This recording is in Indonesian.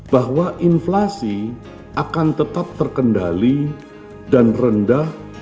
bahwa inflasi akan tetap terkendali dan rendah